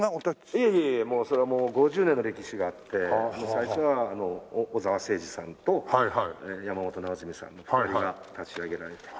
いやいやいやいやそれはもう５０年の歴史があって最初は小澤征爾さんと山本直純さんの２人が立ち上げられて。